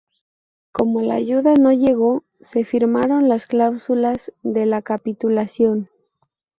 Como la ayuda no llegó, se firmaron las cláusulas de la capitulación.